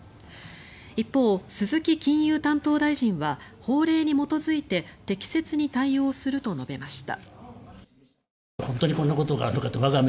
一方、鈴木金融担当大臣は法令に基づいて適切に対応すると述べました。